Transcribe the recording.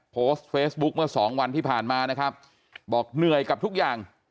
โพสต์เฟซบุ๊คเมื่อสองวันที่ผ่านมานะครับบอกเหนื่อยกับทุกอย่าง